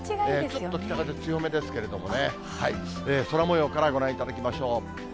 ちょっと北風強めですけどね、空もようからご覧いただきましょう。